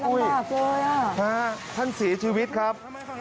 อุ๊ยท่านศรีชีวิตครับ